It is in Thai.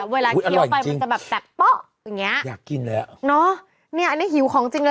เวลาเคี้ยวไปมันจะแบบป๊อ๊ะอย่างนี้เนอะเนี่ยอันนี้หิวของจริงเลย